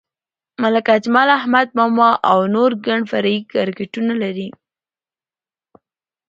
ملک اجمل، احمد ماما او نور ګڼ فرعي کرکټرونه لري.